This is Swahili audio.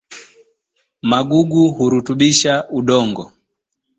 magugu hurutubisha udongo